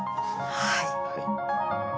はい。